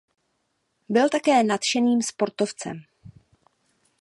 Byl také nadšeným sportovcem.